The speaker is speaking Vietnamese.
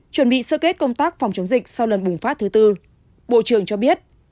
chuẩn bị sơ kết công tác phòng chống dịch sau lần bùng phát thứ tư bộ trưởng cho biết